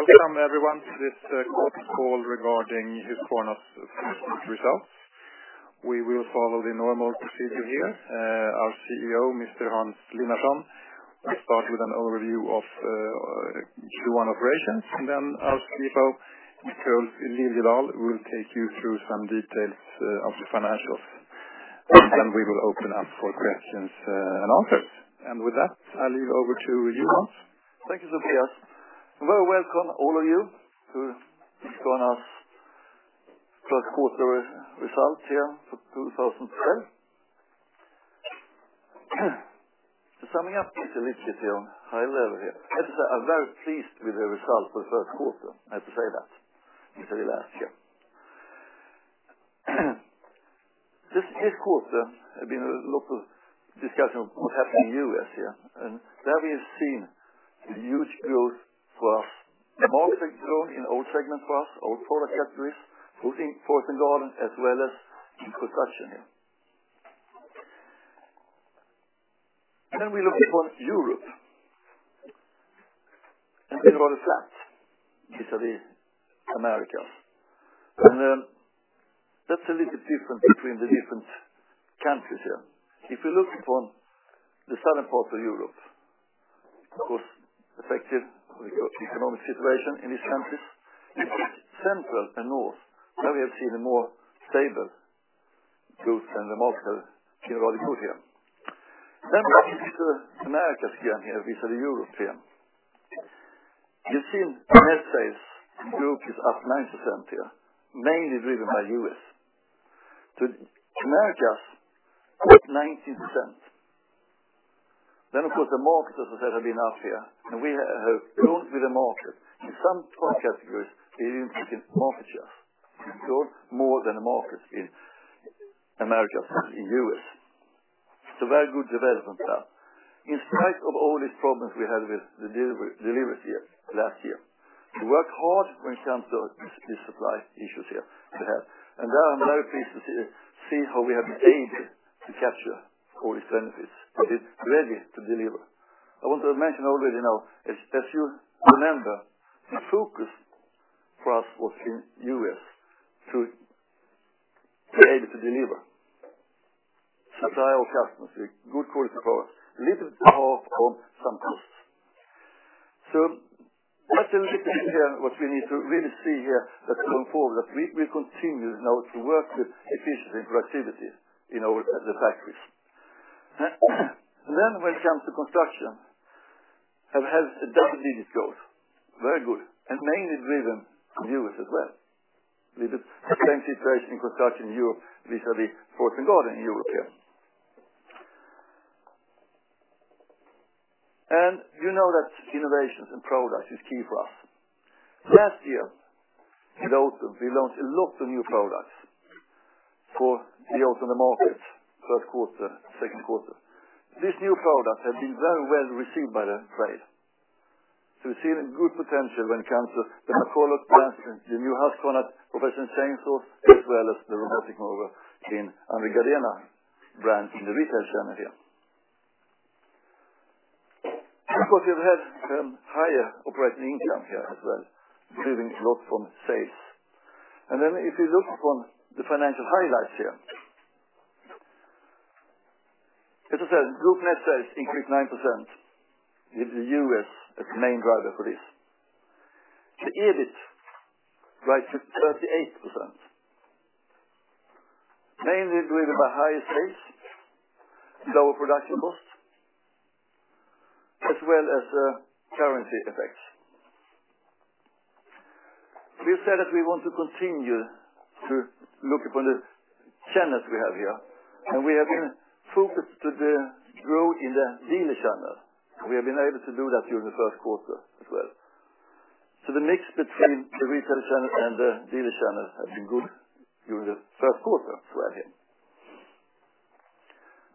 Welcome everyone to this call regarding Husqvarna's first quarter results. We will follow the normal procedure here. Our CEO, Mr. Hans Linnarson, will start with an overview of Q1 operations, and our CFO, Ulf Liljedahl, will take you through some details of the financials. We will open up for questions and answers. With that, I leave over to you, Hans. Thank you, Sofias. A very welcome all of you to Husqvarna's first quarter results here for 2010. Summing up is a little bit here. I'm very pleased with the results for the first quarter. I have to say that. This quarter, there's been a lot of discussion of what happened in the U.S. here, and there we have seen huge growth for us. The most growth in all segments for us, all product categories, both in forest and garden as well as in construction. We look upon Europe and a lot of flats vis-à-vis Americas. That's a little different between the different countries here. If you look upon the southern part of Europe, of course, affected with the economic situation in these countries. Central and north, now we have seen a more stable growth and remarkable growth here. If you look at Americas here vis-à-vis Europe here. You've seen net sales growth is up 19% here, mainly driven by U.S. Americas up 19%. Of course, the markets have been up here, and we have grown with the market. In some product categories, we're even taking market share. More than the market in Americas, in U.S. It's a very good development there. In spite of all these problems we had with the deliveries here last year. We worked hard when it comes to the supply issues here we had, and I am very pleased to see how we have been able to capture all these benefits and be ready to deliver. I want to mention already now, as you remember, the focus for us was in U.S. to be able to deliver. Supply our customers with good quality products, a little bit more from some costs. That's a little bit here what we need to really see here that going forward, that we continue now to work with efficiency and productivity in the factories. When it comes to construction, it has a double-digit growth. Very good and mainly driven from U.S. as well. With the same situation in construction in Europe vis-à-vis forest and garden in Europe here. You know that innovations and products is key for us. Last year, in autumn, we launched a lot of new products for the autumn markets, first quarter, second quarter. These new products have been very well received by the trade. We're seeing a good potential when it comes to the McCulloch plants and the new Husqvarna professional chainsaw, as well as the robotic mower in Gardena in the retail channel here. Of course, we've had higher operating income here as well, driven a lot from sales. If you look upon the financial highlights here. As I said, group net sales increased 9%, with the U.S. as the main driver for this. The EBIT rise to 38%. Mainly driven by higher sales and lower production costs, as well as currency effects. We've said that we want to continue to look upon the channels we have here, and we have been focused to the growth in the dealer channel. We have been able to do that during Q1 as well. The mix between the retail channel and the dealer channel has been good during Q1 for us.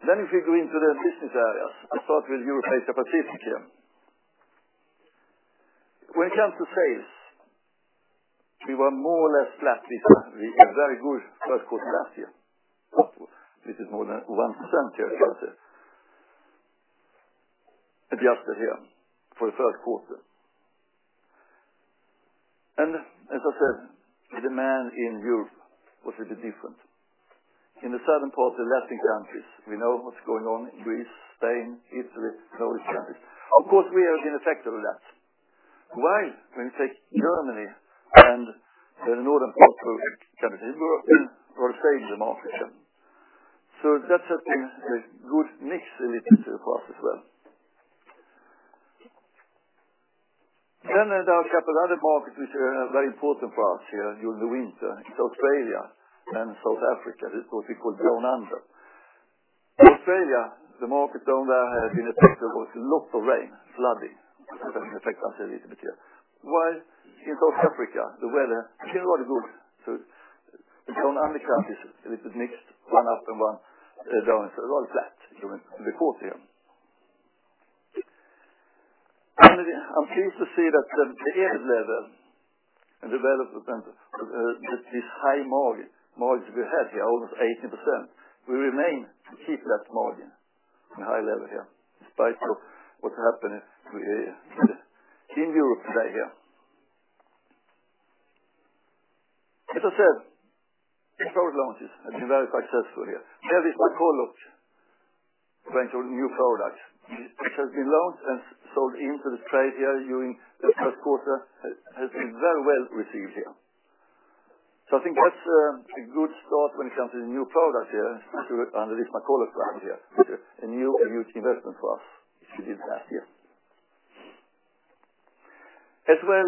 If you go into the business areas, I'll start with Europe, Asia, Pacific here. When it comes to sales, we were more or less flat with a very good Q1 last year. This is more than 1% here, as I said. At the outset here for Q1. As I said, the demand in Europe was a bit different. In the southern part, the Latin countries, we know what's going on in Greece, Spain, Italy, those countries. Of course, we have been affected by that. While when you take Germany and the northern part of Europe, we've saved the market share. That's a good mix for us as well. There are a couple other markets which are very important for us here during the winter. It's Australia and South Africa. This is what we call down under. Australia, the market down there has been affected with lots of rain, flooding. That has an effect, as I said. While in South Africa, the weather is really good. In some countries, a little bit mixed, one up and one down. A lot of that during the quarter. I'm pleased to see that the EBIT level. This high margin we had here, almost 18%, we remain to keep that margin in a high level here, despite what happened in Europe here. As I said, product launches have been very successful here. Heavy cycle went to a new product, which has been launched and sold into the trade here during Q1, has been very well received here. I think that's a good start when it comes to the new product here, under this McCulloch brand here. A new investment for us to do that here. As well,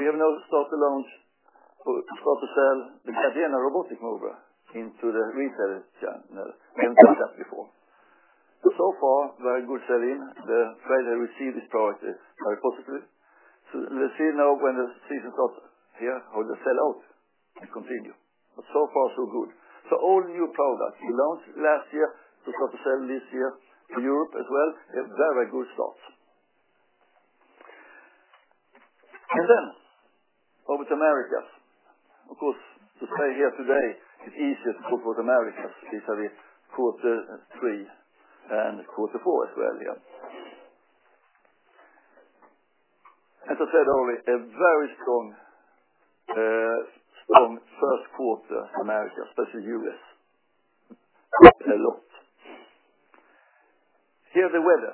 we have now started to sell the Gardena robotic mower into the retail channel. We haven't done that before. So far, very good selling. The trader received this product very positively. Let's see now when the season starts here, how the sellout can continue. So far so good. All new products we launched last year to start to sell this year to Europe as well, a very good start. Over to Americas. Of course, to say here today, it is easier to put what Americas vis-à-vis Q3 and Q4 as well here. As I said earlier, a very strong Q1 Americas, especially U.S. A lot. Here, the weather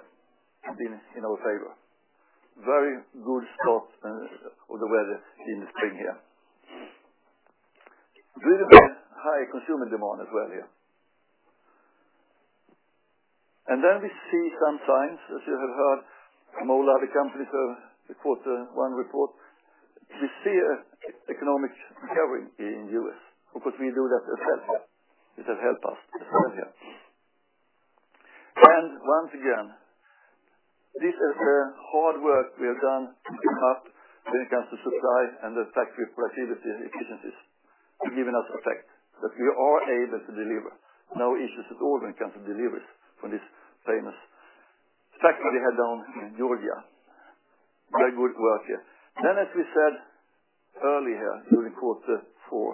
has been in our favor. Very good start of the weather in spring here. Really high consumer demand as well here. We see some signs, as you have heard from all other companies who report one report. We see an economic recovery in the U.S. Of course, we do that ourselves. It has helped us as well here. Once again, this is the hard work we have done to cut when it comes to supply and the factory productivity efficiencies, giving us effect that we are able to deliver. No issues at all when it comes to deliveries from this famous factory we have down in Georgia. Very good work here. As we said earlier during Q4,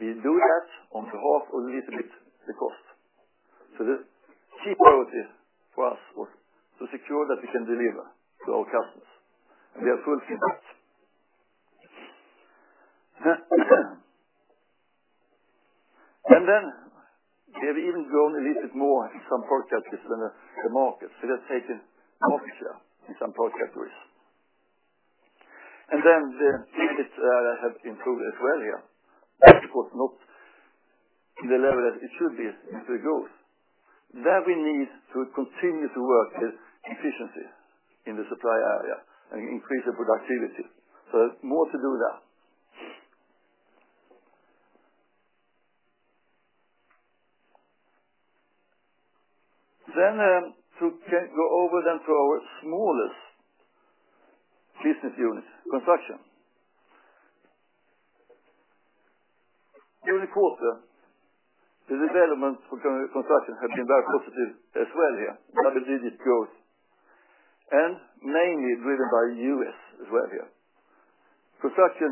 we do that on half or a little bit the cost. The key priority for us was to secure that we can deliver to our customers, and we are fulfilling that. We have even grown a little bit more in some purchase than the market. We have taken market share in some purchase risk. The lead times have improved as well here. Of course, not to the level that it should be as we go. There we need to continue to work with efficiency in the supply area and increase the productivity. More to do there. To go over then to our smallest business unit, Construction. During the quarter, the development for Construction have been very positive as well here. Double-digit growth and mainly driven by U.S. as well here. Construction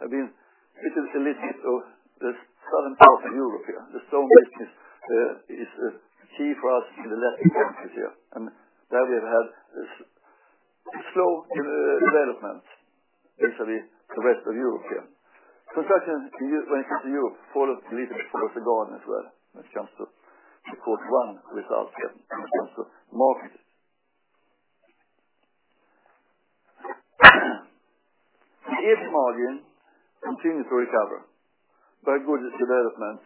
have been a little bit limited of the southern part of Europe here. The stone business is key for us in the Latin countries here, there we have had a slow development vis-à-vis the rest of Europe here. Construction in Europe followed a little bit Husqvarna as well when it comes to the Q1 results and when it comes to margins. EBITDA margin continue to recover. Very good development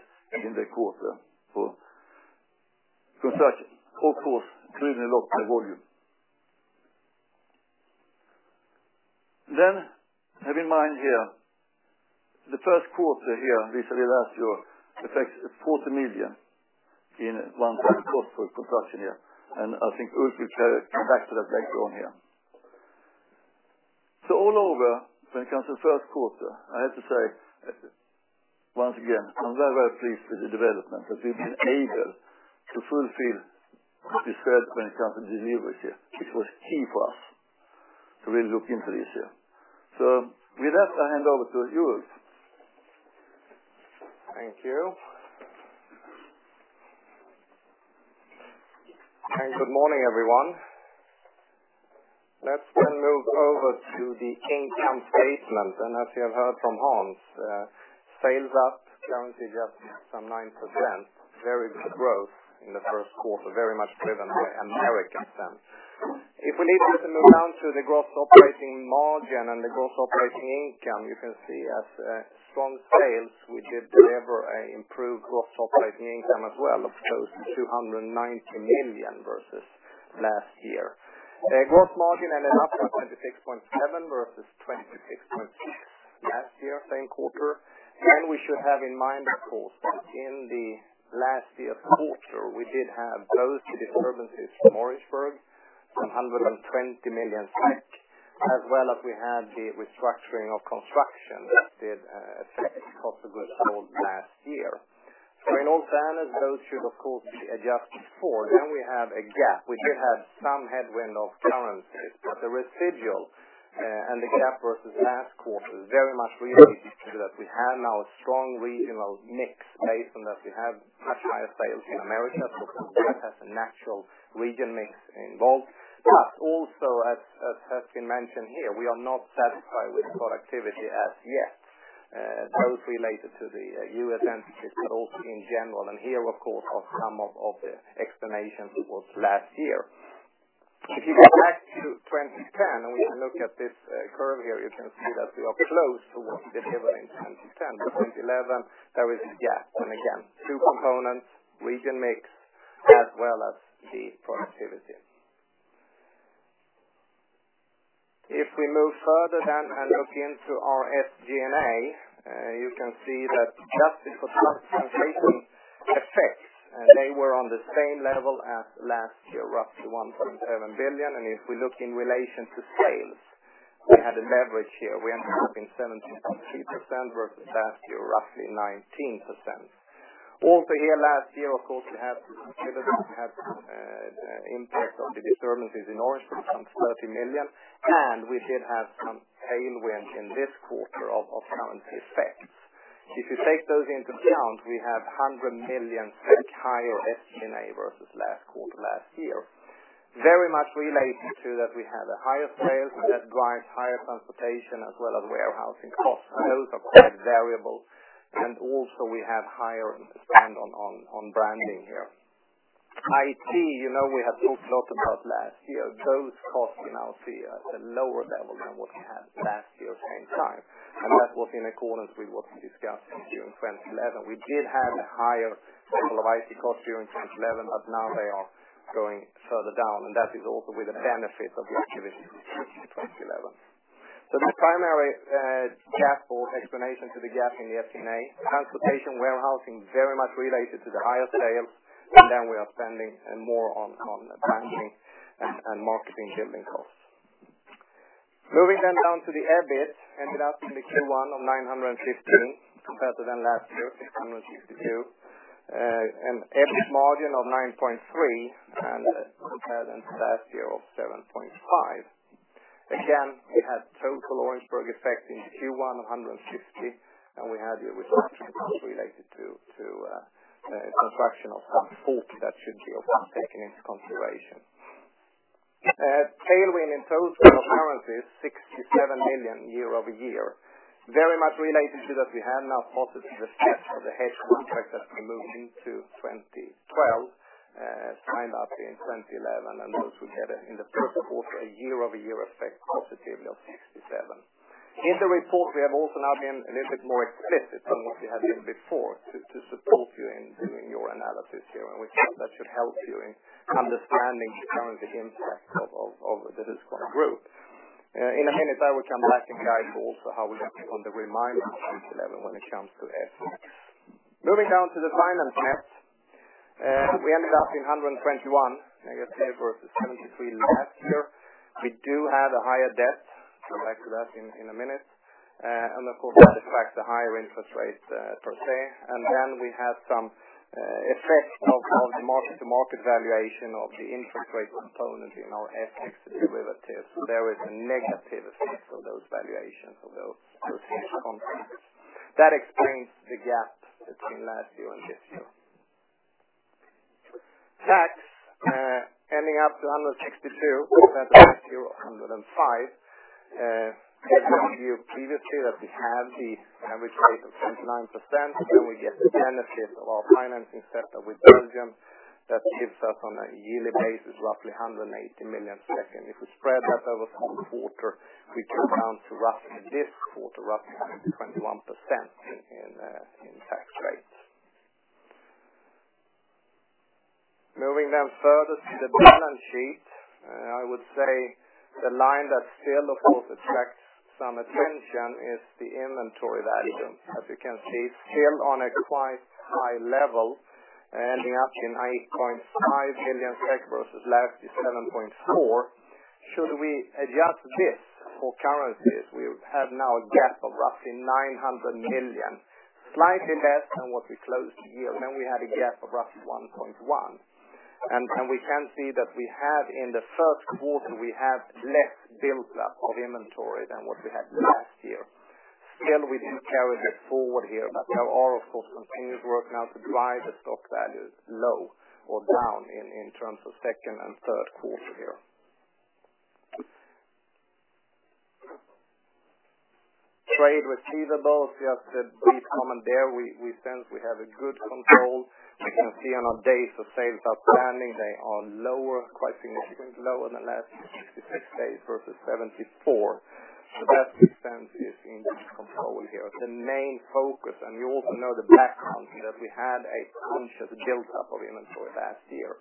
in the quarter for Construction. Of course, clearly a lot by volume. Have in mind here, the Q1 here vis-à-vis last year affects 40 million in one-time cost for Construction here. I think Ulf will come back to that later on here. All over, when it comes to Q1, I have to say once again, I'm very, very pleased with the development, that we've been able to fulfill what we said when it comes to deliveries here, which was key for us to really look into this year. With that, I hand over to Ulf. Thank you. Good morning, everyone. Let's move over to the income statement. As you have heard from Hans, sales up guarantee just some 9%. Very good growth in the first quarter, very much driven by Americas then. If we need to move down to the gross operating margin and the gross operating income, you can see, as strong sales, we did deliver an improved gross operating income as well of close to 290 million versus last year. Gross margin ended up at 26.7% versus 26.6% last year, same quarter. Again, we should have in mind, of course, that in the last year quarter, we did have both the disturbances from Orangeburg, 120 million effect, as well as we had the restructuring of construction that did affect cost of goods sold last year. In all fairness, those should of course be adjusted for. We have a gap. We did have some headwind of currencies, but the residual and the gap versus last quarter is very much related to that we have now a strong regional mix based on that we have much higher sales in America. That has a natural region mix involved. Also, as has been mentioned here, we are not satisfied with productivity as yet. Those related to the U.S. entities, but also in general, and here, of course, are some of the explanations from last year. If you go back to 2010, we look at this curve here, you can see that we are close to what we delivered in 2010. 2011, there is a gap. Again, two components, region mix as well as the productivity. If we move further then and look into our SG&A, you can see that just the transportation effects, they were on the same level as last year, roughly 1.7 billion. If we look in relation to sales, we had a leverage here. We ended up in 17.2% versus last year, roughly 19%. Also here last year, of course, we had the impact of the disturbances in Orangeburg, 30 million, we did have some tailwind in this quarter of currency effects. If you take those into account, we have 100 million higher SG&A versus last quarter, last year. Very much related to that we have a higher sales that drives higher transportation as well as warehousing costs. Those are quite variable. Also, we have higher spend on branding here. IT, we have talked a lot about last year. Those costs we now see at a lower level than what we had last year same time. That was in accordance with what we discussed in Q1 2011. We did have a higher level of IT costs during 2011, now they are going further down, that is also with the benefit of the activities in 2011. The primary gap or explanation to the gap in the SG&A, transportation, warehousing, very much related to the higher sales, then we are spending more on branding and marketing building costs. Moving down to the EBIT, ended up in the Q1 of 915 compared to then last year, 862, and EBIT margin of 9.3% compared to last year of 7.5%. We had total Orangeburg effect in Q1 of 160, and we had here with some costs related to construction of some forty that should be also taken into consideration. Tailwind in total currencies, 67 million year-over-year, very much related to that we have now positive effect of the hedge contract that we moved into 2012, signed up in 2011, and those who had it in the first quarter, a year-over-year effect positively of 67. In the report, we have also now been a little bit more explicit than what we have been before to support you in doing your analysis here, and we hope that should help you in understanding the currency impact of the Husqvarna Group. In a minute, I will come back and guide for also how we are on the remainder in 2011 when it comes to FX. Moving down to the finance net, we ended up in 121, I guess compared versus 73 last year. We do have a higher debt. We'll come back to that in a minute. Of course, that reflects the higher interest rates per se. Then we have some effect of the mark-to-market valuation of the interest rate component in our FX derivatives. There is a negative effect of those valuations, of those hedge contracts. That explains the gap between last year and this year. Tax, ending up to 162 compared to last year, 105. I told you previously that we have the average rate of 29%, and we get the benefit of our financing setup with Belgium that gives us on a yearly basis roughly 180 million. If we spread that over four quarters, we come down to roughly this quarter, roughly 21% in tax rates. Moving further to the balance sheet. I would say the line that still, of course, attracts some attention is the inventory value. As you can see, still on a quite high level, ending up in 8.5 million SEK versus last year, 7.4 million. Should we adjust this for currencies? We have now a gap of roughly 900 million, slightly less than what we closed the year. We had a gap of roughly 1.1. We can see that we have in the first quarter, we have less build up of inventory than what we had last year. Still, we do carry this forward here, but there are, of course, continuous work now to drive the stock values low or down in terms of second and third quarter here. Trade receivables, just a brief comment there. We sense we have a good control. You can see on our days sales outstanding, they are lower, quite significantly lower than last year, 66 days versus 74. That trend is in good control here. The main focus, you also know the background that we had a conscious build-up of inventory last year,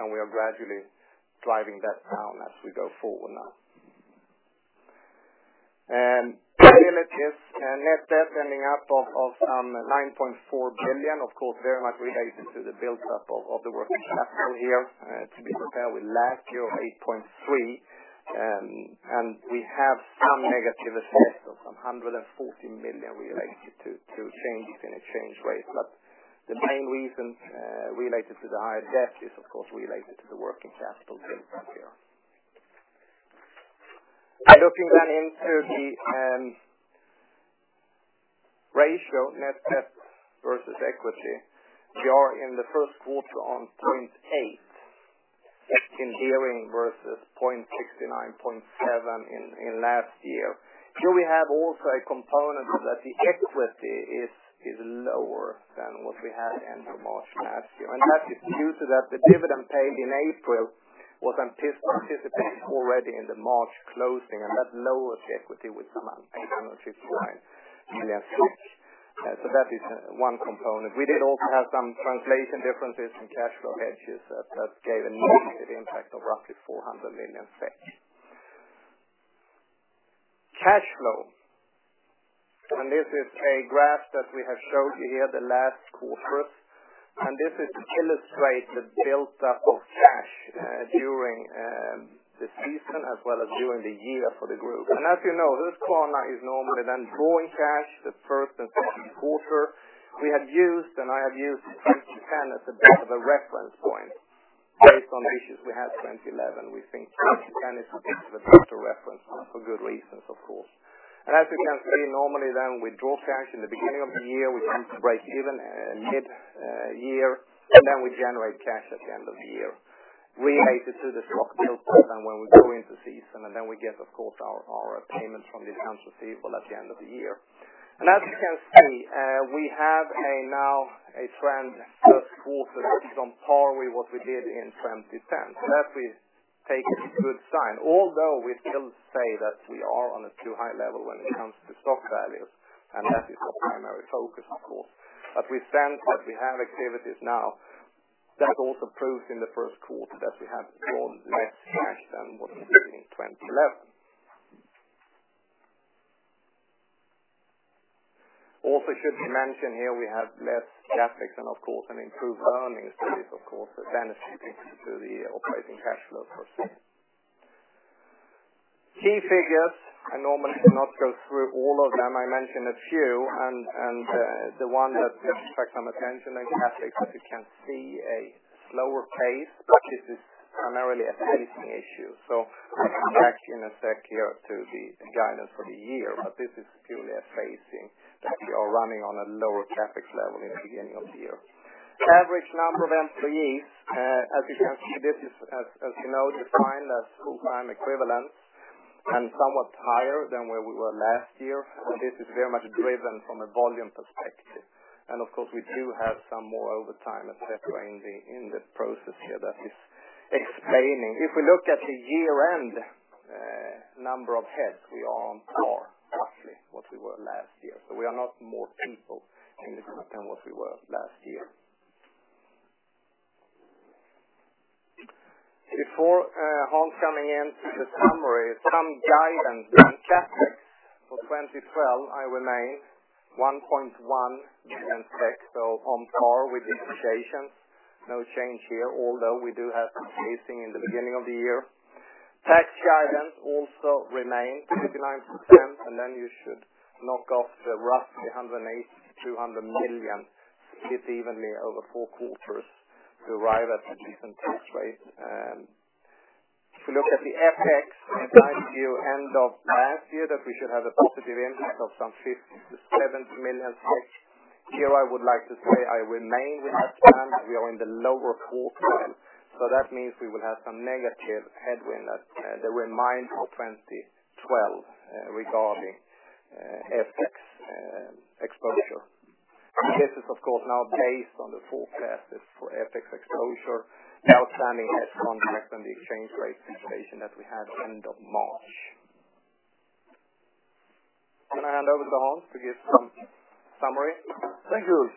and we are gradually driving that down as we go forward now. Here it is. Net debt ending up of some 9.4 billion. Of course, very much related to the buildup of the working capital here, to be compared with last year of 8.3. We have some negative effect of 140 million related to changes in exchange rates. The main reason related to the higher debt is of course related to the working capital buildup here. Looking into the ratio net debt versus equity. We are in the first quarter on 0.8 versus 0.697 in last year. That is due to that the equity is lower than what we had at the end of March last year. That lowers the equity with some 159 million. That is one component. We did also have some translation differences in cash flow hedges that gave a negative impact of roughly 400 million. Cash flow. This is a graph that we have showed you here the last quarters. This is to illustrate the buildup of cash during the season as well as during the year for the group. As you know, Husqvarna is normally then drawing cash the first and second quarter. We have used, and I have used 2010 as a bit of a reference point based on the issues we had 2011. We think 2010 is a better reference point for good reasons, of course. As you can see, normally then we draw cash in the beginning of the year. We come to break-even mid-year. Then we generate cash at the end of the year related to the stock built and when we go into season. Then we get, of course, our payments from the accounts receivable at the end of the year. As you can see, we have now a trend first quarter is on par with what we did in 2010. So that we take as a good sign, although we still say that we are on a too high level when it comes to stock values. That is our primary focus of course. We sense that we have activities now that also proves in the first quarter that we have drawn less cash than what we did in 2011. Also should be mentioned here we have less CapEx and of course, an improved earnings. This of course is benefiting to the operating cash flow. Key figures. I normally do not go through all of them. I mention a few and the one that attracts some attention is CapEx. As you can see, a slower pace, but this is primarily a phasing issue. I come back in a sec here to the guidance for the year. This is purely a phasing that we are running on a lower CapEx level in the beginning of the year. Average number of employees. As you can see, this is as you know, defined as full-time equivalent and somewhat higher than where we were last year. Of course, we do have some more overtime et cetera in the process here that is explaining. If we look at the year-end number of heads, we are on par roughly what we were last year. We are not more people in the group than what we were last year. Before Hans coming in to the summary, some guidance on CapEx for 2012, I remain 1.1 so on par with depreciation. No change here, although we do have some phasing in the beginning of the year. Tax guidance also remain 29%. Then you should knock off the roughly 180 million-200 million, keep evenly over four quarters to arrive at a decent tax rate. If you look at the FX, I told you end of last year that we should have a positive impact of some 50 million-70 million. I would like to say I remain with that plan. We are in the lower quartile, that means we will have some negative headwind that will mine for 2012 regarding FX exposure. This is of course now based on the forecasts for FX exposure, outstanding hedge contracts and the exchange rate situation that we had end of March. I hand over to Hans to give some summary. Thank you.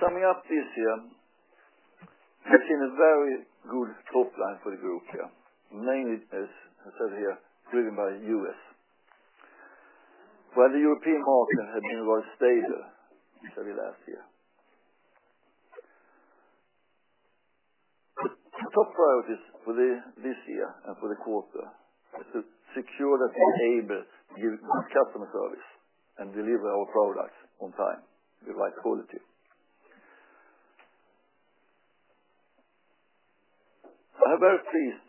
Summing up this year, we've seen a very good top line for the group here, mainly as I said here, driven by U.S., where the European market has been rather stable since early last year. The top priorities for this year and for the quarter is to secure that we are able to give good customer service and deliver our products on time with right quality. I'm very pleased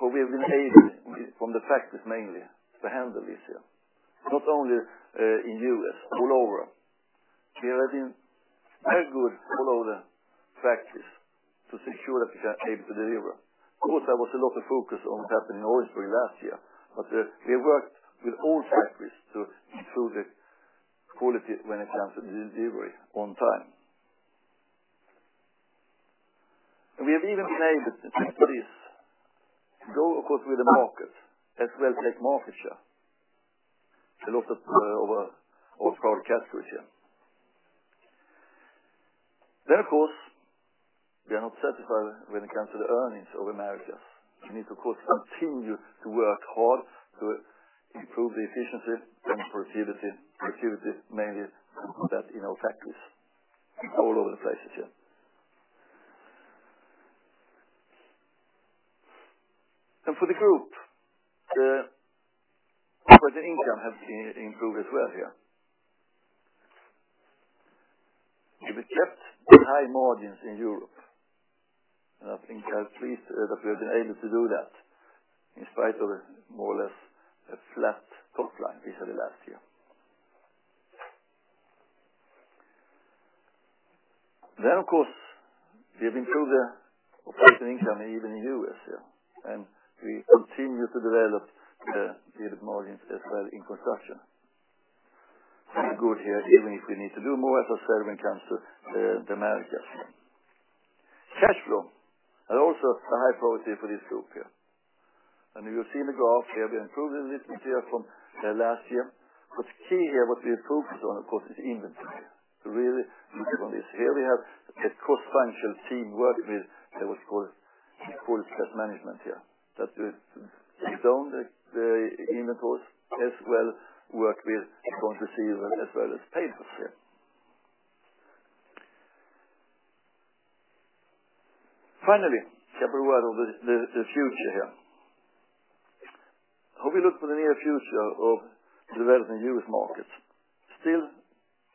how we have been able from the factories mainly to handle this year, not only in U.S. all over. We have been very good all over factories to secure that we are able to deliver. Of course, there was a lot of focus on what happened in Orangeburg last year, but we worked with all factories to improve the quality when it comes to delivery on time. We have even been able to take this growth of course with the market as well take market share. There's a lot of over forecast this year. Of course, we are not satisfied when it comes to the earnings of Americas. We need to, of course, continue to work hard to improve the efficiency and productivity, mainly that in our factories all over the place here. For the group, the operating income has improved as well here. We kept good high margins in Europe, and I'm pleased that we have been able to do that in spite of more or less a flat top line vis-a-vis last year. Of course, we have improved the operating income even in U.S. here, and we continue to develop the EBIT margins as well in construction. Very good here, even if we need to do more, as I said, when it comes to the Americas. Cash flow are also a high priority for this group here. You see in the graph here, we have improved a little bit here from last year. What's key here, what we focused on, of course, is inventory. Really focused on this. We have a cross-functional team working with what we call stress management here, that we've done the inventory as well work with from receivers as well as payments here. Finally, a separate word of the future here. How we look for the near future of developing new markets? Still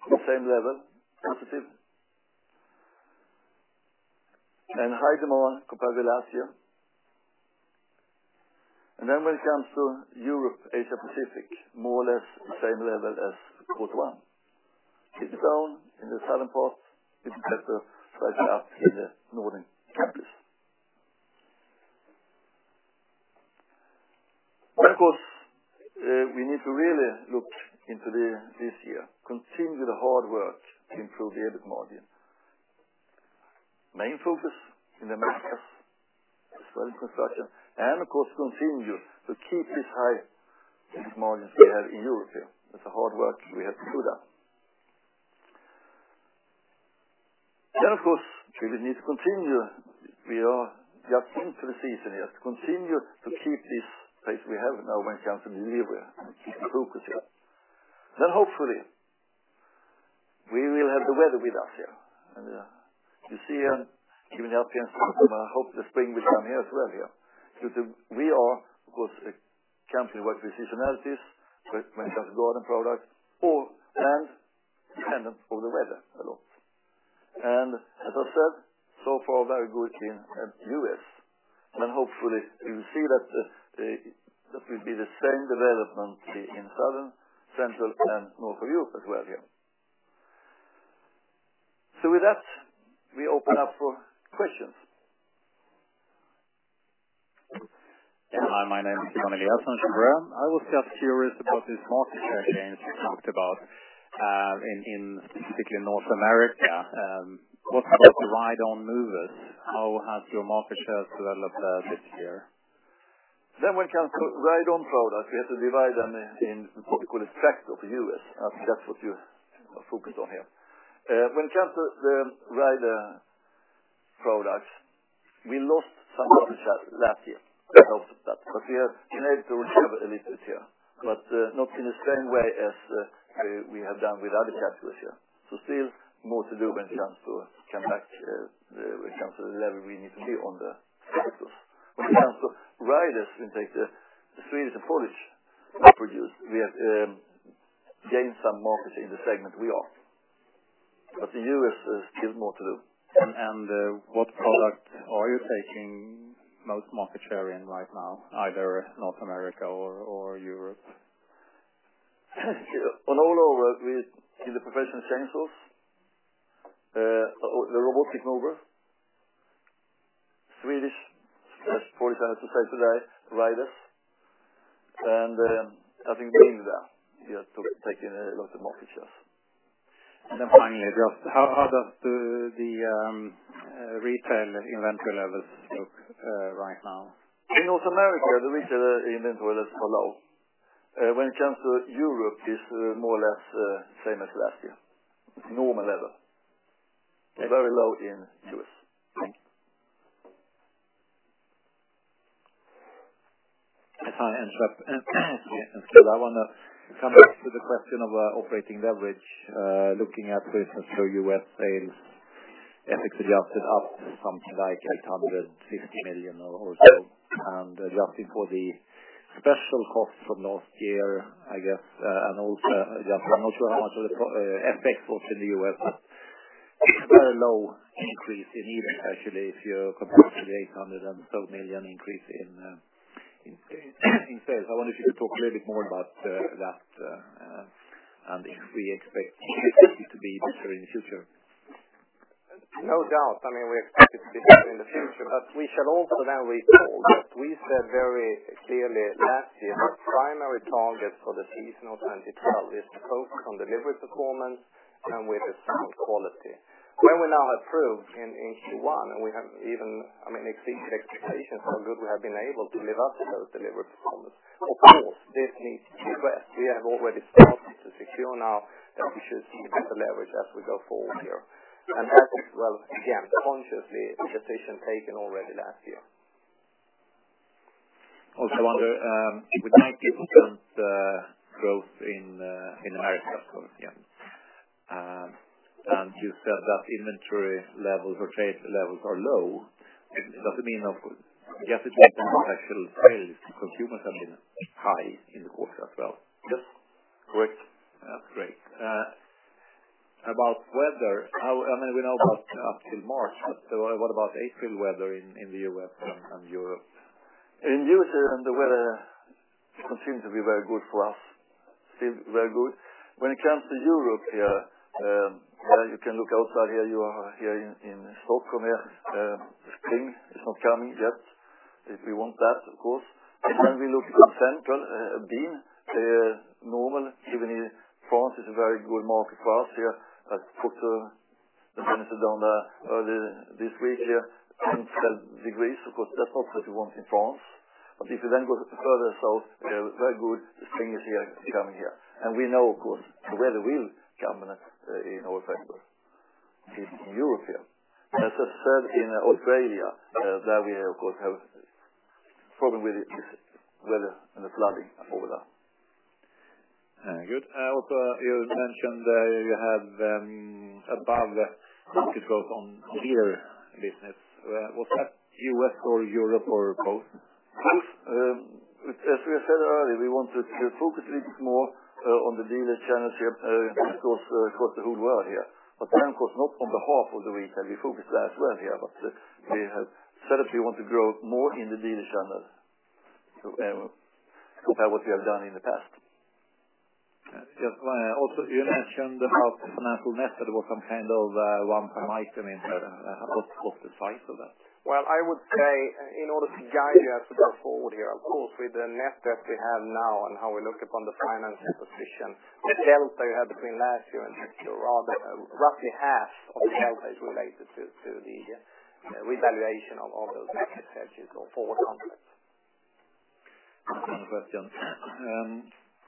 the same level, positive. Slightly more compared to last year. When it comes to Europe, Asia Pacific, more or less the same level as Q1. A little down in the southern part, even better, slightly up in the northern countries. Of course, we need to really look into this year, continue the hard work to improve the EBIT margin. Main focus in the Americas as well in construction. Continue to keep these high EBIT margins we have in Europe here. That's the hard work we have to do there. We will need to continue. We are just into the season here. Continue to keep this pace we have now when it comes to delivery and keep focused here. Hopefully, we will have the weather with us here. I'm giving up here and hope the spring will come here as well here. Since we are, of course, a company where seasonality is, when it comes to garden products, and dependent on the weather a lot. So far, very good in U.S. Hopefully you will see that will be the same development in Southern, Central, and North of Europe as well here. We open up for questions. Hi, my name is Analyst. I was just curious about this market share gains you talked about specifically in North America. What about the ride-on mowers? How has your market share developed this year? When it comes to ride-on products, we have to divide them in what we call the tractor of the U.S. That's what you focus on here. When it comes to the rider products, we lost some market share last year because of that. We have managed to recover a little bit here, but not in the same way as we have done with other categories here. Still more to do when it comes to the level we need to be on the tractors. When it comes to riders, we take the Swedish and Polish products. We have gained some market in the segment we are. The U.S. has still more to do. What product are you taking most market share in right now, either North America or Europe? On all over, in the professional chain saws, the robotic mowers, Swedish, Polish, and other riders. I think being there, we have taken a lot of market shares. Finally, just how does the retail inventory levels look right now? In North America, the retail inventory levels are low. When it comes to Europe, it's more or less same as last year. Normal level. They're very low in U.S. Thank you. Hi, I want to come back to the question of operating leverage. Looking at this for U.S. sales, FX-adjusted up something like 850 million or so, and adjusting for the special cost from last year, I guess, and also after the FX cost in the U.S., a very low increase in EBIT actually, if you compare to the 800 and some million increase in sales. I wonder if you could talk a little bit more about that and if we expect it to be better in the future. No doubt. We expect it to be better in the future, we shall also now recall that we said very clearly last year our primary target for the seasonal and retail is to focus on delivery performance and with strong quality. Where we're now approved in Q1, and we have even exceeded expectations how good we have been able to live up to those delivery performance. Of course, this needs to be best. We have already started to secure now that we should keep up the leverage as we go forward here. That was, again, consciously a decision taken already last year. I wonder, with 9% growth in America, you said that inventory levels or trade levels are low, does it mean of you have to take some actual sales to consumers have been high in the quarter as well? Yes. Correct. That's great. About weather. We know about up till March. What about April weather in the U.S. and Europe? In the U.S., the weather seems to be very good for us. Seems very good. When it comes to Europe, yeah. You can look outside here, you are here in Stockholm here. Spring is not coming yet. If we want that, of course. When we look to Central Europe, normal, even if France is a very good market for us here. I put the thermometer down there earlier this week here, 10+ degrees, of course, that's not what you want in France. If you then go further south, very good spring is here, coming here. We know, of course, the weather will come in all parts of Europe here. As I said, in Australia, there we of course have problem with the weather and the flooding over there. Good. Also, you mentioned you have above on Gardena business. Was that U.S. or Europe or both? Both. As we have said earlier, we want to focus a little bit more on the dealer channels here, of course, the whole world here, but then, of course, not on behalf of the retail. We focus that well here, but we have said if you want to grow more in the dealer channel compared what we have done in the past. Also, you mentioned about financial net that was some kind of one-time item in the inaudible of that. Well, I would say, in order to guide you as we go forward here, of course, with the net debt we have now and how we look upon the financial position, the delta you had between last year and next year, rather roughly half of the delta is related to the revaluation of those asset hedges or forward contracts. Another question.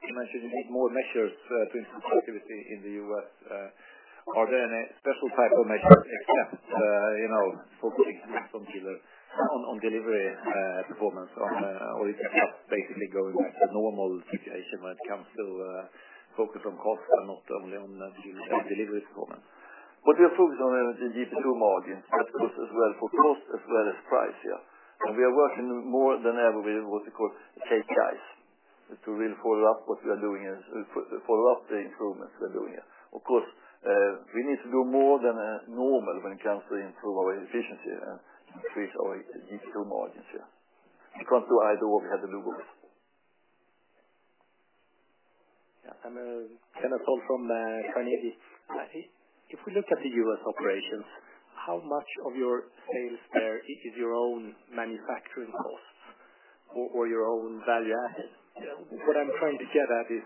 You mentioned you need more measures to improve productivity in the U.S. Are there any special type of measures except focusing on delivery performance? Is it just basically going back to normal situation when it comes to focus on cost and not only on delivery performance? What we are focused on is the EBITDA margin, of course, as well, for cost as well as price, yeah. We are working more than ever with what we call KPIs, to really follow up the improvements we are doing here. Of course, we need to do more than normal when it comes to improve our efficiency and increase our EBITDA margins here. We can't do either what we have to do both. Yeah. Kenneth. If we look at the U.S. operations, how much of your sales there is your own manufacturing costs or your own value added? What I'm trying to get at is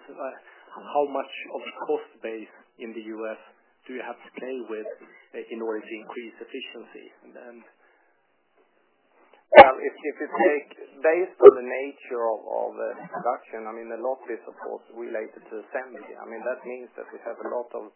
how much of the cost base in the U.S. do you have to play with in order to increase efficiency, and Well, based on the nature of the production, a lot is, of course, related to assembly. That means that we have a lot of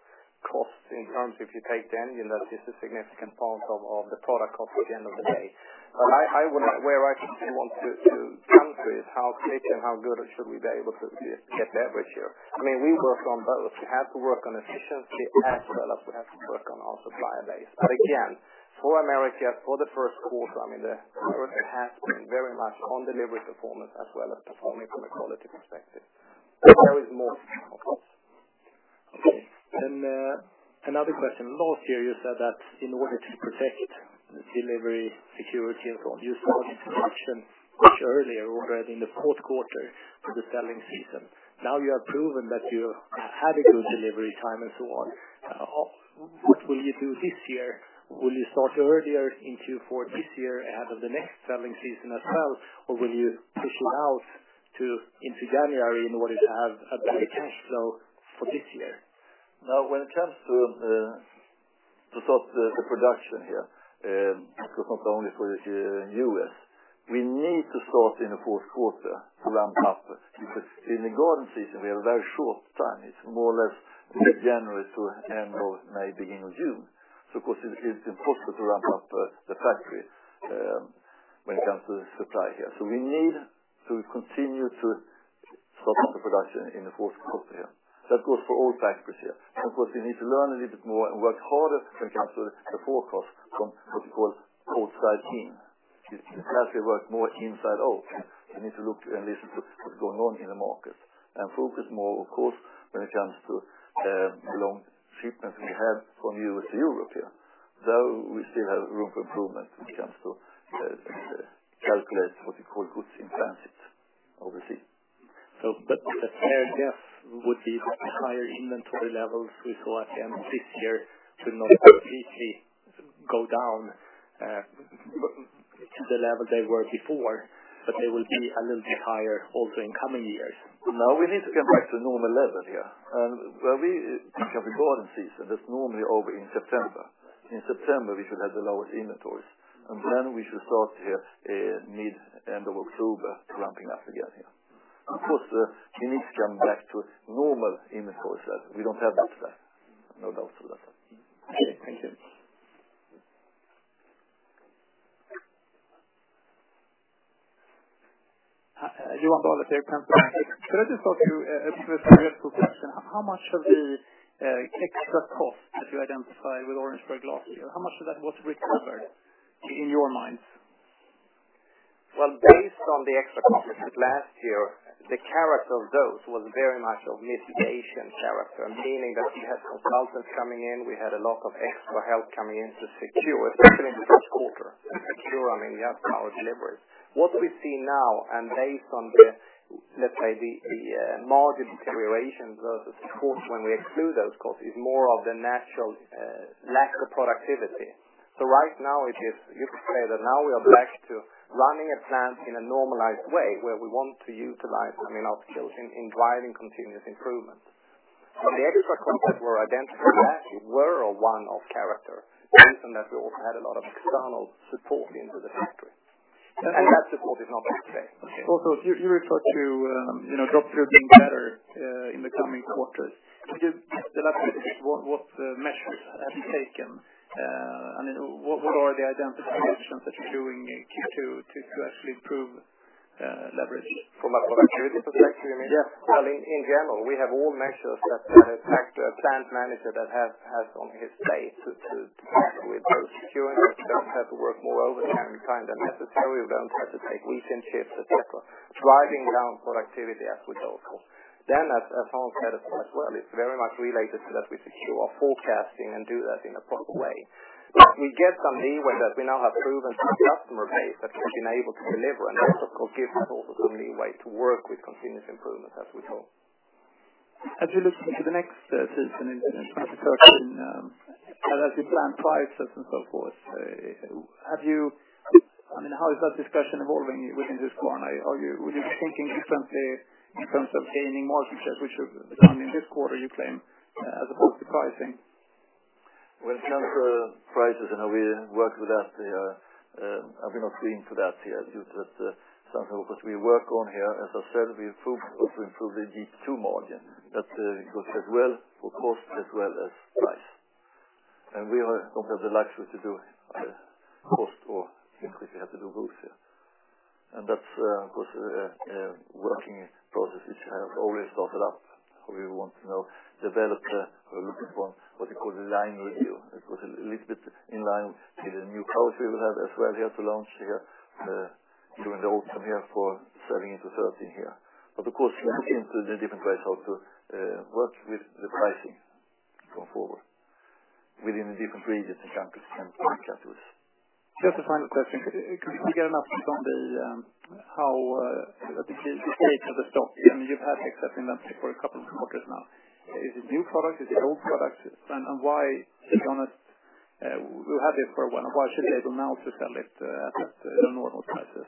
costs in terms, if you take the engine, that is a significant part of the product cost at the end of the day. Where I want to come to is how fit and how good should we be able to get that ratio. We work on both. We have to work on efficiency as well as we have to work on our supplier base. Again, for America, for the first quarter, the focus has been very much on delivery performance as well as performing from a quality perspective. There is more, of course. Okay. Another question. Last year, you said that in order to protect delivery security and so on, you started production much earlier, already in the fourth quarter for the selling season. Now you have proven that you have a good delivery time and so on. What will you do this year? Will you start earlier in Q4 this year ahead of the next selling season as well? Will you push it out into January in order to have a very high flow for this year? When it comes to start the production here, of course, not only for the U.S., we need to start in the fourth quarter to ramp up. In the garden season, we have a very short time. It's more or less mid-January to end of maybe end of June. Of course, it's impossible to ramp up the factory when it comes to supply here. We need to continue to start up the production in the fourth quarter here. That goes for all factories here. Of course, we need to learn a little bit more and work harder when it comes to the forecast from what we call cold side team. As we work more inside out, we need to look and listen to what's going on in the market and focus more, of course, when it comes to long shipments we have from U.S. to Europe here. We still have room for improvement when it comes to calculate what we call goods in transit overseas. I guess with these higher inventory levels we saw at the end of this year to not easily go down to the level they were before, but they will be a little bit higher also in coming years. We need to get back to normal level here. When we have a garden season, that's normally over in September. In September, we should have the lower inventories, and then we should start here mid end of October, ramping up again here. Of course, we need to come back to normal inventories. We don't have that now. No doubts to that. Okay. Thank you. Let me talk to a very practical question. How much of the extra cost that you identified with Orangeburg last year, how much of that was recovered in your minds? Well, based on the extra costs of last year, the character of those was very much of mitigation character, meaning that we had consultants coming in, we had a lot of extra help coming in to secure, especially the first quarter. Secure, I mean, we have our deliveries. What we see now and based on the, let's say, the margin deterioration versus costs when we exclude those costs, is more of the natural lack of productivity. Right now it is, you could say that now we are back to running a plant in a normalized way where we want to utilize our skills in driving continuous improvement. The extra costs that were identified last year were a one-off character, and that we also had a lot of external support into the factory, and that support is not there today. You referred to drop ship being better in the coming quarters. Could you elaborate a bit what measures have you taken? What are the identification that you're doing in Q2 to actually improve leverage? From a productivity perspective, you mean? Yeah. Well, in general, we have all measures that the factory plant manager that has on his plate to ensure that we don't have to work more overtime than necessary. We don't have to take weekend shifts, et cetera, driving down productivity as a result. As Hans said as well, it's very much related to that we secure our forecasting and do that in a proper way. We get some leeway that we now have proven to the customer base that we've been able to deliver, and that of course gives us also some leeway to work with continuous improvement as we talk. As you look into the next season in terms of pricing, as you plan prices and so forth, how is that discussion evolving within Husqvarna? Would you be thinking differently in terms of gaining more success, which you've done in this quarter, you claim, as opposed to pricing? When it comes to prices, we work with that, I've been not seeing to that here. Because we work on here. As I said, we hope to improve the GP2 margin. That goes as well for cost as well as price. We don't have the luxury to do cost or simply we have to do both here. That's of course, working processes have already started up. We want to now develop a, what you call a line review. It was a little bit in line with the new colors we will have as well here to launch here during the autumn here for serving into 13 here. Of course, we look into the different ways how to work with the pricing going forward within the different regions and countries. Just a final question. Could we get an update on the, let's say the state of the stock? You've had excess inventory for a couple of quarters now. Is it new product? Is it old product? Why should they be able now to sell it at normal prices?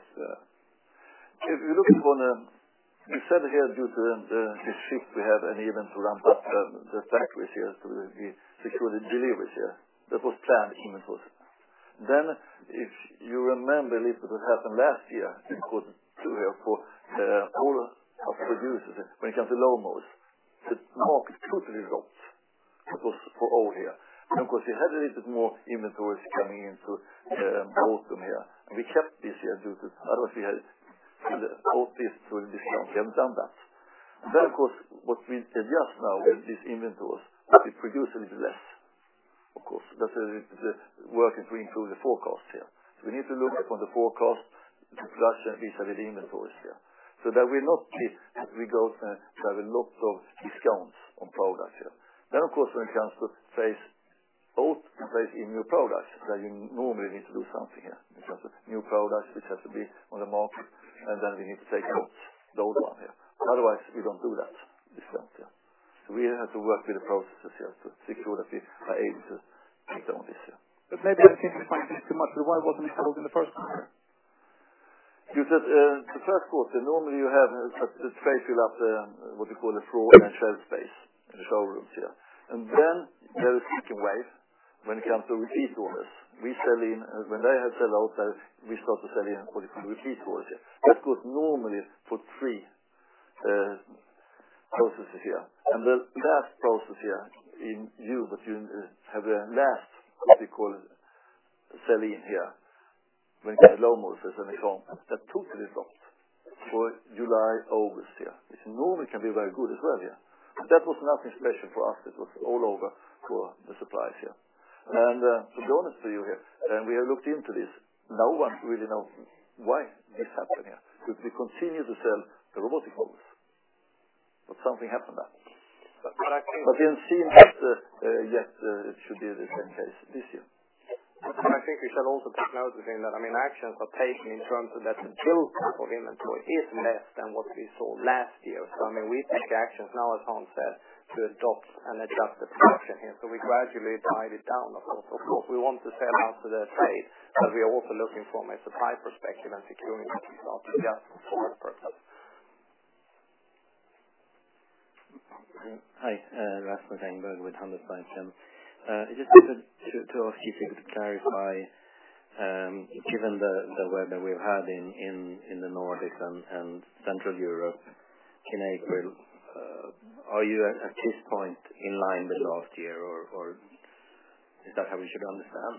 If you look at what I said here, due to the shift we have and even to ramp up the factories here, so we secure the deliveries here. That was planned inventory. If you remember a little bit happened last year, because for all our producers, when it comes to lawn mowers, the market totally dropped for us for all here. Of course, we had a little bit more inventories coming into autumn here, and we kept this here otherwise we had to pull this through discount. We have done that. Of course, what we adjust now with these inventories, we produce a little bit less, of course. That's the work is to improve the forecast here. We need to look upon the forecast, the production vis-à-vis inventories here. That we're not hit, we go and have a lot of discounts on products here. Of course, when it comes to place both in new products, that you normally need to do something here in terms of new products, which have to be on the market, and then we need to take out the old one here. Otherwise, we don't do that discount here. We have to work with the processes here to make sure that we are able to take down this year. Maybe I'm thinking about this too much, but why wasn't it sold in the first place? The first quarter, normally you have to try to fill up the, what you call the floor and shelf space in the showrooms here. There is second wave when it comes to repeat orders. When they have sell out, we start to sell in what you call repeat orders here. That was normally for three processes here. The last process here in June, you have a last, what you call sell-in here when it comes to robotic mowers and so on, that totally dropped for July, August here. It normally can be very good as well here. That was not the situation for us. It was all over for the supplies here. To be honest with you here, we have looked into this. No one really knows why it's happening here. We continue to sell the robotic mowers. Something happened there. We don't see that yet it should be the same case this year. I think we should also take note within that, actions are taken in terms of that the build of inventory is less than what we saw last year. We take actions now, as Hans said, to adopt and adjust the production here. We gradually dial it down, of course. Of course, we want to sell out to the trade, we are also looking from a supply perspective and securing what we sell to that for the purpose. Hi. Rasmus Engberg with Handelsbanken. I just wanted to ask you people to clarify Given the weather we've had in the Nordics and Central Europe in April, are you at this point in line with last year, or is that how we should understand?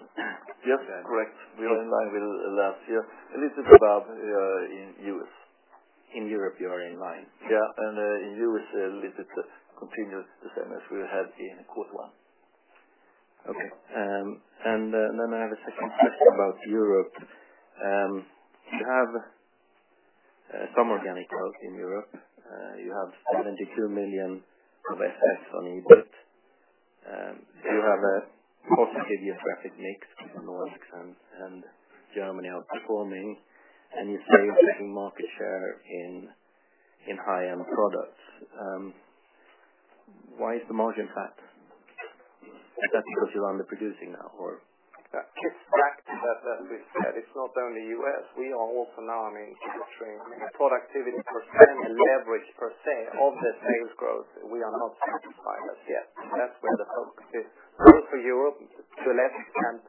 Yes, correct. We are in line with last year. A little bit above in U.S. In Europe, you are in line? Yeah. U.S. is a little bit continuous, the same as we had in Q1. I have a second question about Europe. You have some organic growth in Europe. You have 72 million of assets on board. You have a positive geographic mix from the Nordics and Germany outperforming. You say you're taking market share in high-end products. Why is the margin flat? Is that because you are underproducing now? It's flat as we've said. It's not only U.S. We are also now capturing productivity per se and leverage per se of the sales growth. We are not satisfied as yet. That's where the focus is. Both for Europe to a less extent,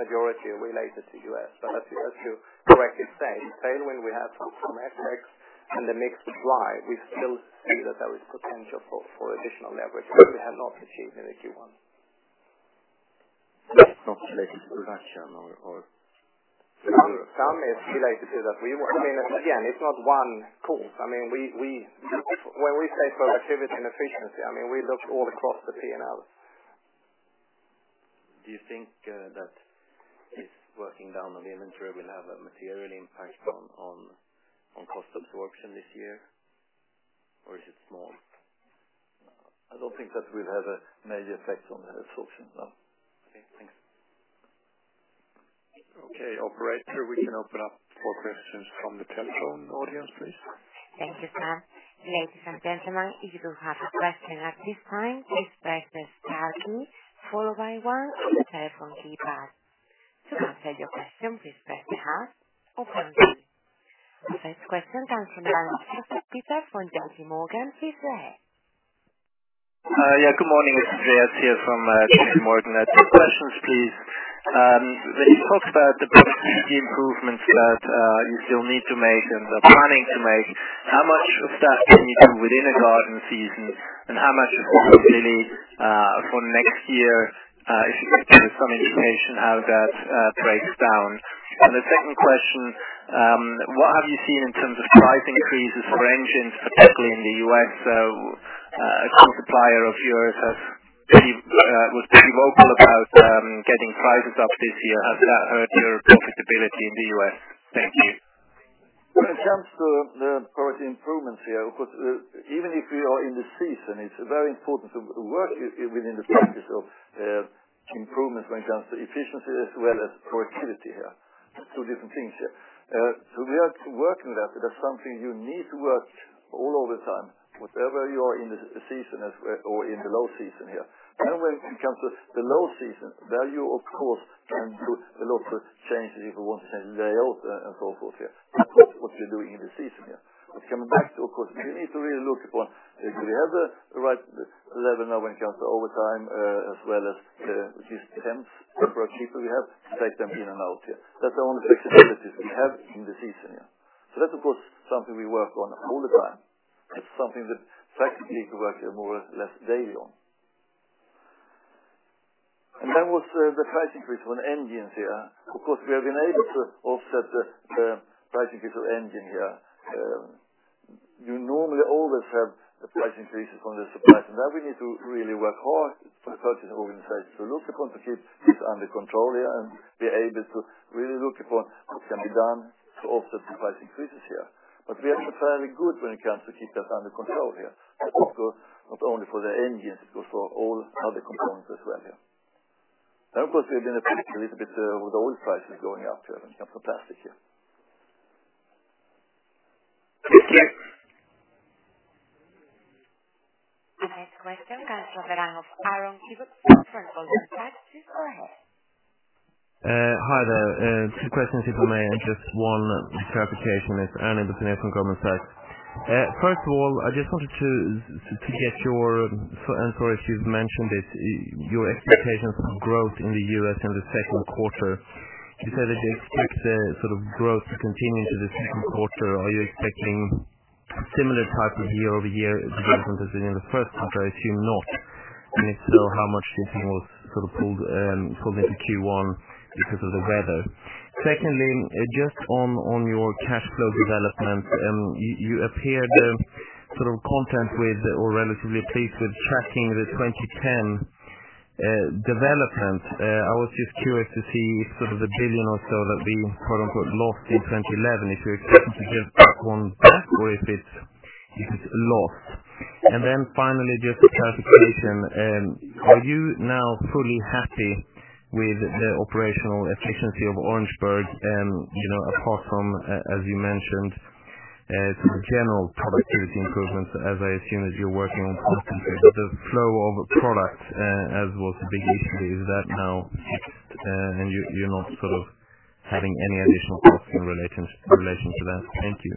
majority related to U.S. As you correctly say, tailwind, we have from FX and the mix is why we still see that there is potential for additional leverage that we have not achieved in the Q1. Not related to Russia or Europe? Some is related to that. Again, it's not one cause. When we say productivity and efficiency, we look all across the P&L. Do you think that this working down of inventory will have a material impact on cost absorption this year? Is it small? I don't think that will have a major effect on the absorption, no. Okay, thanks. Okay, operator, we can open up for questions from the telephone audience, please. Thank you, Sam. Ladies and gentlemen, if you have a question at this time, please press star three followed by one on your telephone keypad. To cancel your question, please press hash or pound key. First question comes from the line of Peter from J.P. Morgan. Please go ahead. Yeah, good morning. It's James here from J.P. Morgan. I have two questions, please. You talked about the productivity improvements that you still need to make and are planning to make. How much of that can you do within a garden season, and how much is really for next year? If you could give some indication how that breaks down. The second question, what have you seen in terms of price increases for engines, especially in the U.S.? A core supplier of yours was very vocal about getting prices up this year. Has that hurt your profitability in the U.S.? Thank you. In terms of the productivity improvements here, of course, even if we are in the season, it's very important to work within the context of improvements when it comes to efficiency as well as productivity here. Two different things. We are working with that. That's something you need to work all of the time, whatever you are in the season or in the low season here. When it comes to the low season, there you of course can do a lot of changes if you want to change layouts and so forth here. That's what you're doing in the season here. Coming back to, of course, you need to really look upon if you have the right level now when it comes to overtime, as well as these temps, temporary people you have to take them in and out here. That's the only flexibility we have in the season here. That's, of course, something we work on all the time. That's something that practically you work more or less daily on. With the price increase on engines here. Of course, we have been able to offset the price increase of engine here. You normally always have a price increase from the suppliers. Now we need to really work hard to purchase organizations to look upon to keep this under control here and be able to really look upon what can be done to offset the price increases here. We are fairly good when it comes to keep that under control here. Of course, not only for the engines, but for all other components as well here. Of course, we're going to pay a little bit with oil prices going up here when it comes to plastic here. Next question comes from the line of Aaron from Nordea. Please go ahead. Hi there. Two questions, if I may, and just one clarification. It's only the connection government side. First of all, I just wanted to get your, and sorry if you've mentioned it, your expectations on growth in the U.S. in the second quarter. You said that you expect the sort of growth to continue into the second quarter. Are you expecting similar type of year-over-year comparison as in the first quarter? I assume not. If so, how much do you think was sort of pulled into Q1 because of the weather? Secondly, just on your cash flow development, you appeared sort of content with or relatively pleased with tracking the 2010 development. I was just curious to see if sort of the SEK 1 billion or so that we quote-unquote lost in 2011, if you expect to get back on back or if it's lost. Finally, just a clarification. Are you now fully happy with the operational efficiency of Orangeburg? Apart from, as you mentioned, sort of general productivity improvements, as I assume that you're working on just the flow of product as was a big issue. Is that now and you're not sort of having any additional costs in relation to that? Thank you.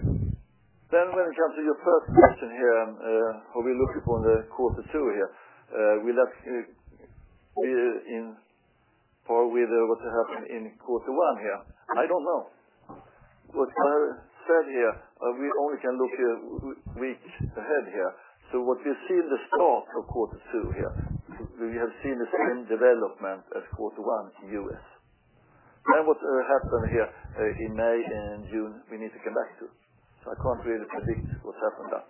When it comes to your first question here, how are we looking for Q2 here? We'll have to see what will happen in Q1 here. I don't know. What I said here, we only can look a week ahead here. What you see in the start of Q2 here, we have seen the same development as Q1 in the U.S. What happened here in May and June, we need to come back to. I can't really predict what happened there.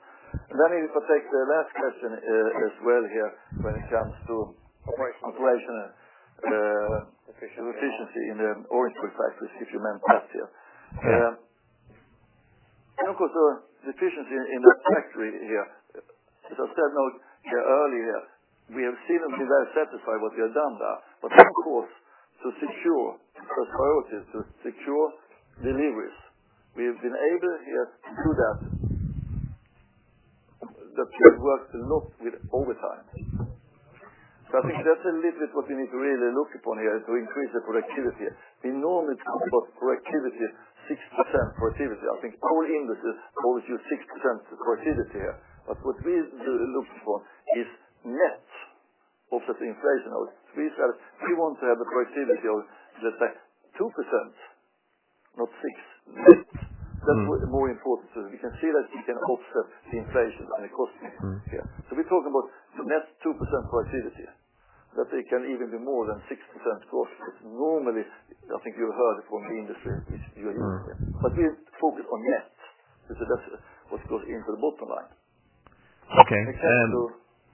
Let me take the last question as well here when it comes to operation efficiency in the Orangeburg factory, if you remember that here. Of course, the efficiency in that factory here, as I said earlier, we have seen and been very satisfied what we have done there. Of course, to secure the priorities, to secure deliveries, we have been able here to do that. The pure work is not with overtime. I think that's a little bit what we need to really look upon here, is to increase the productivity. We normally talk of productivity, 6% productivity. I think poor English calls you 6% productivity here. What we are looking for is net offset inflation. We want to have a productivity of just 2%, not 6%. That's more important. We can see that we can offset the inflation and the cost here. We're talking about the net 2% productivity, that it can even be more than 6% cost. Normally, I think you heard from the industry, it's usually here. We focus on net because that's what goes into the bottom line. Okay.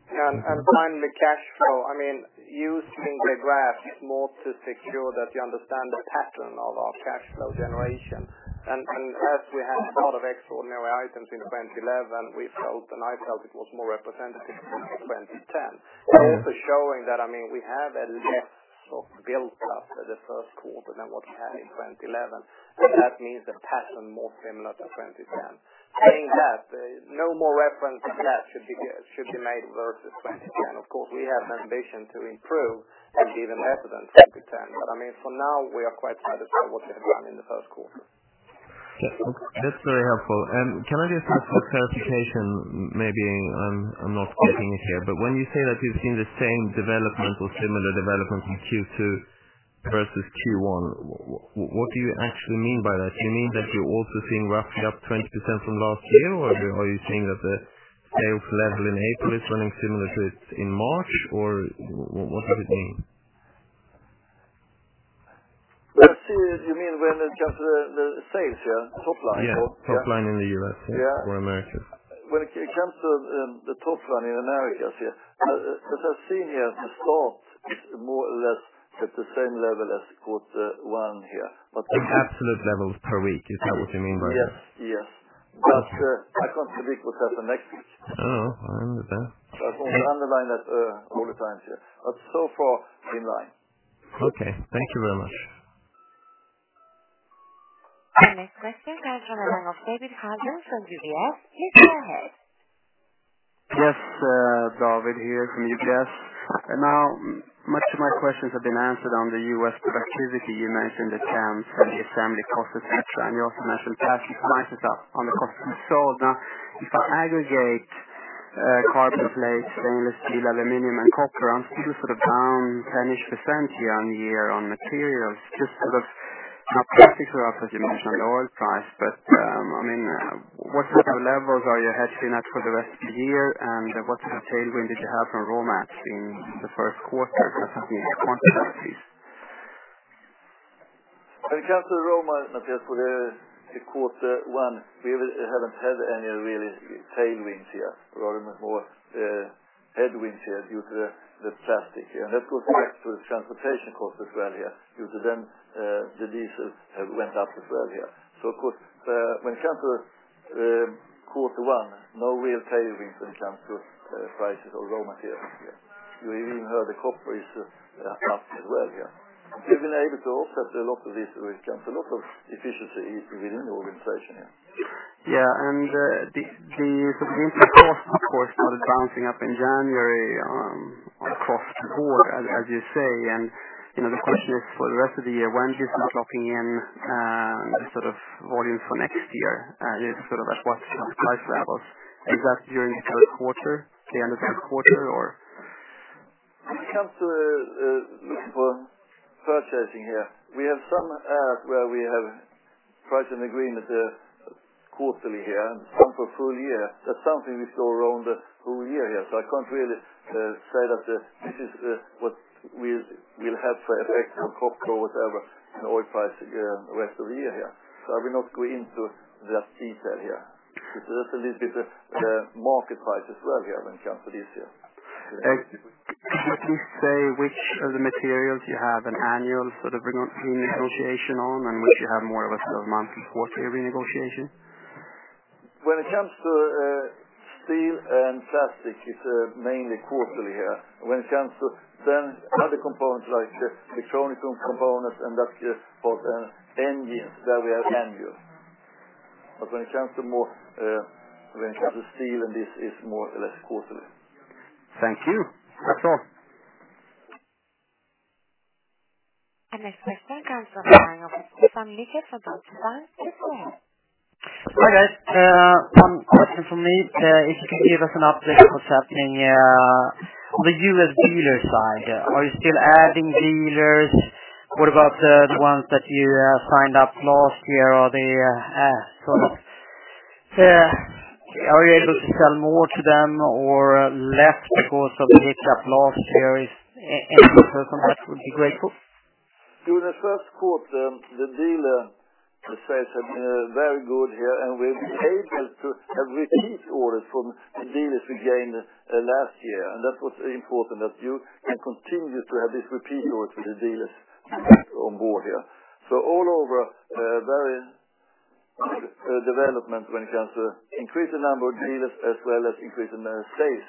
Finally, cash flow. Using the graphs more to secure that you understand the pattern of our cash flow generation. As we had a lot of extraordinary items in 2011, we felt and I felt it was more representative of 2010. It is showing that we have a less soft build after Q1 than what we had in 2011. That means the pattern more similar to 2010. Saying that, no more reference than that should be made versus 2010. Of course, we have ambition to improve and give an evidence 2010, but for now, we are quite satisfied what we have done in Q1. That's very helpful. Can I just ask for clarification? Maybe I'm not getting it here. When you say that you've seen the same development or similar development in Q2 versus Q1, what do you actually mean by that? Do you mean that you're also seeing roughly up 20% from last year, or are you saying that the sales level in April is running similar to in March, or what do you mean? You mean when it comes to the sales, yeah? Top line? Yeah. Top line in the U.S. Yeah. Americas. When it comes to the top line in Americas, what I've seen here at the start, more or less, hit the same level as quarter one here. Absolute levels per week. Is that what you mean by that? Yes. I can't predict what happens next week. No, I understand. I think we underline that all the time here, but so far in line. Okay. Thank you very much. Our next question comes from the line of David Adler from UBS. Please go ahead. Yes. David here from UBS. Now, much of my questions have been answered on the U.S. productivity. You mentioned the CAM and the assembly process, et cetera, and you also mentioned prices up on the cost of the sold. Now, if I aggregate carbon plate, stainless steel, aluminum, and copper, I'm still sort of down 10-ish% year-on-year on materials, just sort of not particular as you mentioned oil price. What sort of levels are you hedging at for the rest of the year, and what sort of tailwind did you have from raw materials in the first quarter? That's something I can't see. When it comes to raw materials for the quarter one, we haven't had any real tailwinds here. Rather more headwinds here due to the plastic here. That goes back to the transportation cost as well here. Due to them, the diesel have went up as well here. Of course, when it comes to quarter one, no real tailwinds when it comes to prices or raw materials here. You even heard the copper is up as well here. We've been able to offset a lot of this. We've kept a lot of efficiency within the organization here. The input cost, of course, now bouncing up in January across the board, as you say. The question is for the rest of the year, when do you start locking in volume for next year? At what price levels? Is that during the third quarter, the end of third quarter, or? When it comes to purchasing here, we have some areas where we have priced an agreement quarterly here and some for full year. That's something we saw around the whole year here. I can't really say that this is what we'll have for effect on copper or whatever, and oil price the rest of the year here. I will not go into that detail here. That's a little bit the market price as well here when it comes to this here. Could you say which of the materials you have an annual sort of renegotiation on, and which you have more of a sort of monthly, quarterly renegotiation? When it comes to steel and plastic, it's mainly quarterly here. When it comes to other components like the electronic components and that here for the engine, there we have annual. When it comes to steel and this, it's more or less quarterly. Thank you. That's all. The next question comes from the line of Stefan Liget from DNB. Please go ahead. Hi there. One question from me. If you could give us an update concerning the U.S. dealer side. Are you still adding dealers? What about the ones that you signed up last year? Are you able to sell more to them or less because of the mix up last year? Any numbers on that would be grateful. During the first quarter, the dealer reception very good here, and we're able to have repeat orders from the dealers we gained last year. That's what's important, that you can continue to have these repeat orders with the dealers on board here. All over, there is development when it comes to increase the number of dealers as well as increase the space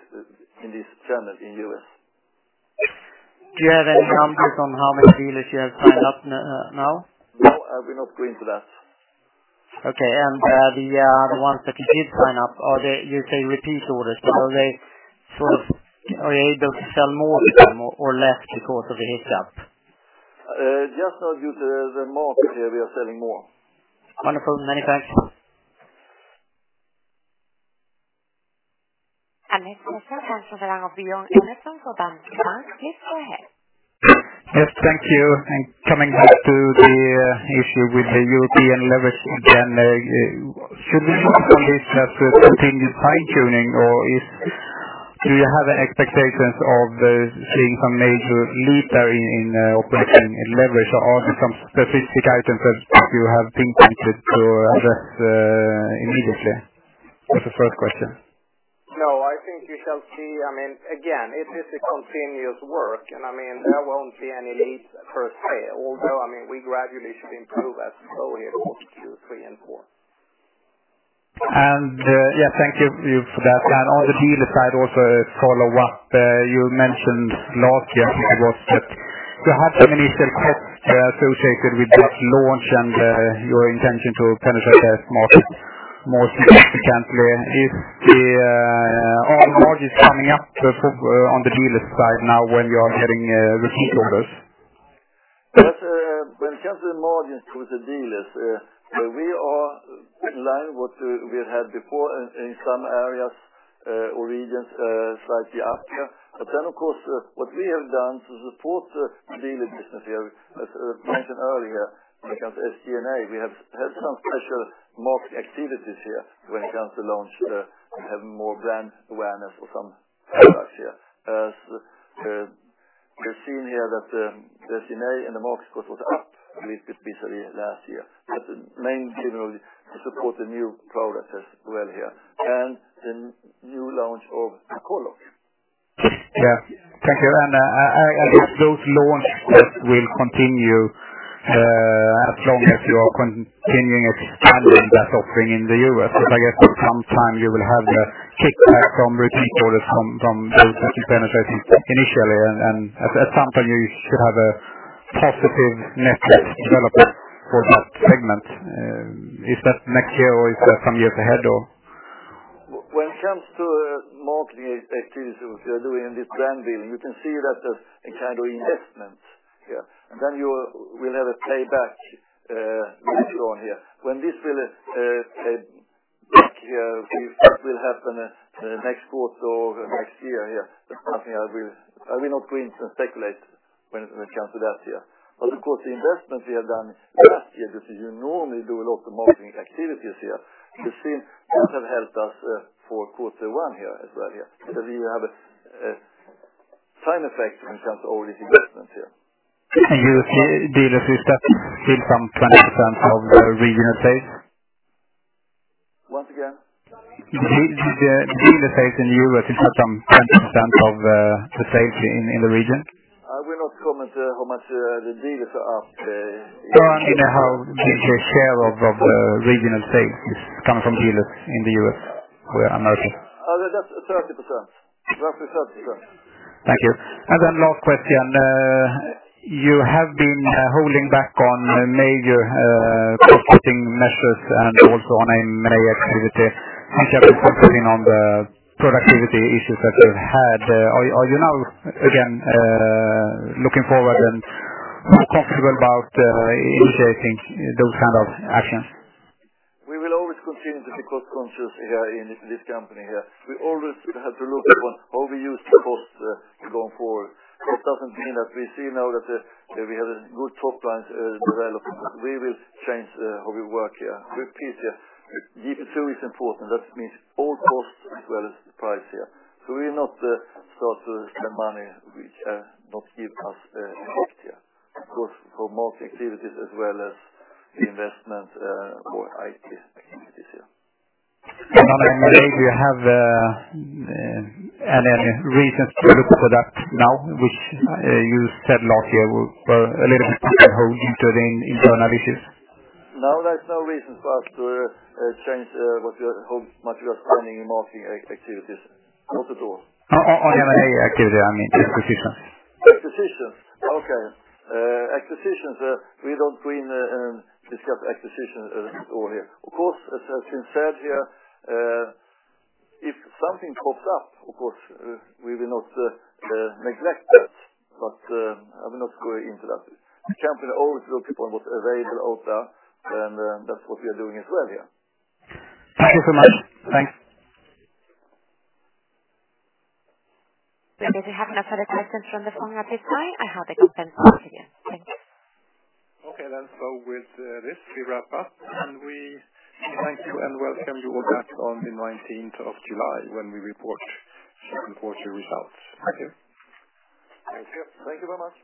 in this channel in the U.S. Do you have any numbers on how many dealers you have signed up now? No, we're not going into that. Okay. The ones that you did sign up, you say repeat orders, but are you able to sell more to them or less because of the mix-up? due to the market here, we are selling more. Wonderful. Many thanks. The next question comes from the line of Björn Enarson from Danske Bank. Please go ahead. Yes, thank you, coming back to the issue with the European leverage again. Should we look at this as a continuous fine-tuning, or do you have expectations of seeing some major leap there in operation and leverage, or are there some specific items that you have pinpointed to address immediately? That's the first question. No, I think you shall see, again, it is a continuous work. There won't be any leaps per se, although, we gradually should improve as slowly in Q3 and Q4. Yeah, thank you for that. On the dealer side also, a follow-up. You mentioned last year, I think it was, that you had some initial costs associated with that launch and your intention to penetrate that market more significantly. Are margins coming up on the dealer side now when you are getting repeat orders? When it comes to the margins with the dealers, we are in line what we had before in some areas or regions, slightly up. Of course, what we have done to support the dealer business here, as mentioned earlier, when it comes to SG&A, we have had some special marketing activities here when it comes to launch, have more brand awareness for some products here. As we've seen here that the SG&A and the market, of course, was up a little bit, basically last year. Mainly generally to support the new products as well here and the new launch of Collog. Yeah. Thank you. I guess those launches will continue as long as you are continuing expanding that offering in the U.S. Because I guess for some time you will have a kickback from repeat orders from those that you penetrated initially, and at some point you should have a positive net development for that segment. Is that next year or is that some years ahead? When it comes to marketing activities, which we are doing in this brand building, you can see that as a kind of investment here. You will have a payback later on here. When this will break even, that will happen next quarter or next year here. That's something I will not pre-empt or speculate when it comes to that here. Of course, the investment we have done last year, because we normally do a lot of marketing activities here. We've seen that have helped us for quarter one here as well here. We have a sign effect in terms of all these investments here. You look here, dealers is that still some 20% of the regional sales? Once again? Dealers sales in U.S. is some 20% of the sales in the region? I will not comment how much the dealers are- Hans, how the share of regional sales is coming from dealers in the U.S. who are not here. That's 30%. Roughly 30%. Thank you. Last question. You have been holding back on major cost-cutting measures and also on M&A activity. I think you have been focusing on the productivity issues that you've had. Are you now again looking forward and more comfortable about initiating those kind of actions? We will always continue to be cost-conscious in this company. We always have to look at how we use the cost going forward. That doesn't mean that we see now that we have a good top line development, we will change how we work. Repeat. GP2 is important. That means all costs as well as the price. We will not start to spend money which not give us effect. Of course, for marketing activities as well as the investment for IT activities. On M&A, do you have any recent product now, which you said last year were a little bit back on hold due to the internal issues? No, there's no reason for us to change how much we are spending in marketing activities. Not at all. On M&A activity, I mean acquisitions. Acquisitions? Okay. Acquisitions, we don't pre-empt and discuss acquisitions over here. Of course, as has been said here, if something pops up, of course, we will not neglect that, but I will not go into that. The company always look upon what's available out there, that's what we are doing as well here. Thank you so much. Thanks. We have no further questions from the phone at this time. I have the conference call again. Thank you. Okay. With this, we wrap up, we thank you and welcome you back on the 19th of July when we report second quarter results. Thank you. Thank you. Thank you very much.